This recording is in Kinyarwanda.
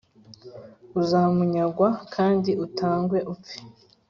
uzamunyagwa kandi utangwe upfe"